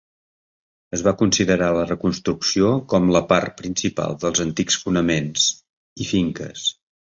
Es va considerar la reconstrucció com la part principal dels antics fonaments i finques.